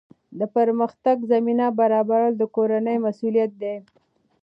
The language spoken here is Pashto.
د پرمختګ زمینه برابرول د کورنۍ مسؤلیت دی.